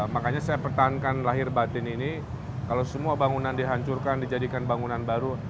makanya saya pertahankan lahir batin ini kalau semua bangunan dihancurkan dijadikan bangunan baru